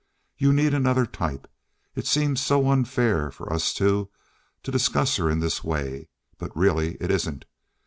You need another type. It seems so unfair for us two to discuss her in this way, but really it isn't.